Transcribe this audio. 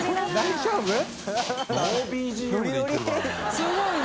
すごいね。